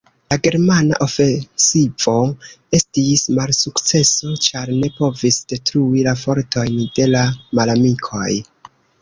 La germana ofensivo estis malsukceso, ĉar ne povis detrui la fortojn de la malamikoj.